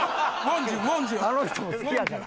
あの人も好きやから。